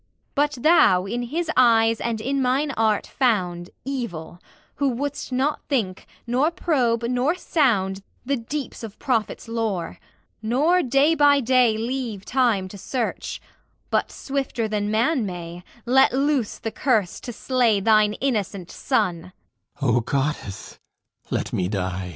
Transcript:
But thou in his eyes and in mine art found Evil, who wouldst not think, nor probe, nor sound The deeps of prophet's lore, nor day by day Leave Time to search; but swifter than man may, Let loose the curse to slay thine innocent son!